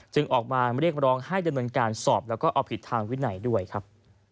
ออกมาเรียกร้องให้ดำเนินการสอบแล้วก็เอาผิดทางวินัยด้วยครับ